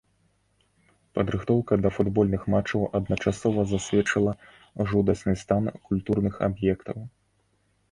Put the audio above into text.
Падрыхтоўка да футбольных матчаў адначасова засведчыла жудасны стан культурных аб'ектаў.